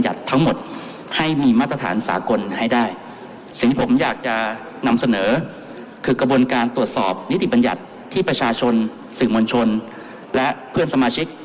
ให้ได้สิ่งที่ผมอยากจะนำเสนอคือกระบวนการตรวจสอบนิติบัญญัติที่ประชาชนสิ่งมนต์ชนและเพื่อนสมาชิก